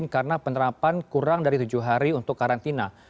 karena penerapan kurang dari tujuh hari untuk karantina